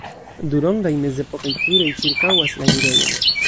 Du rondaj mezepokaj turoj ĉirkaŭas la enirejon.